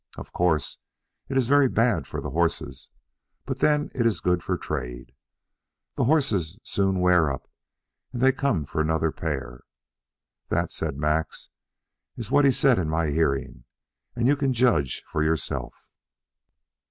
Of course, it is very bad for the horses, but then it is good for trade. The horses soon wear up, and they come for another pair.' That," said Max, "is what he said in my hearing, and you can judge for yourself."